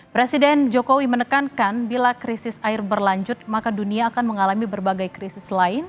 presiden jokowi menekankan bila krisis air berlanjut maka dunia akan mengalami berbagai krisis lain